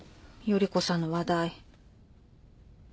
依子さんの話題。